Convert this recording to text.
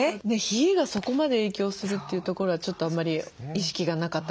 冷えがそこまで影響するというところはちょっとあんまり意識がなかったかもしれない。